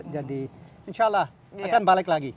jadi insya allah akan balik lagi